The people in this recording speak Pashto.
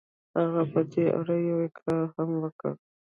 هغه په دې اړه يو اقرار هم وکړ.